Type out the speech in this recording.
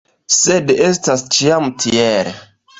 Sed estas ĉiam tiel.